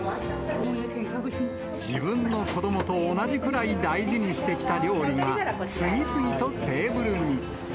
自分の子どもと同じくらい大事にしてきた料理が、次々とテーブルに。